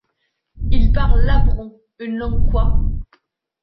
Ils parlent l'abron, une langue kwa.